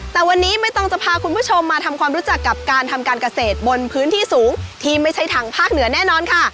แต่วันนี้ไม่ต้องจะพาคุณผู้ชมมาทำความรู้จักกับการทำการเกษตรบนพื้นที่สูงที่ไม่ใช่ทางภาคเหนือแน่นอนค่ะ